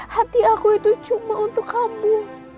hati aku itu cuma untuk kamu